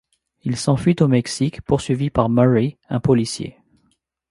Il s'enfuit au Mexique, poursuivi par Murray, un policier.